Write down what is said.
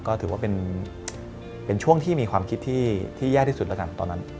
ก็ถือว่าเป็นช่วงที่มีความคิดที่แย่ที่สุดแล้วกันตอนนั้น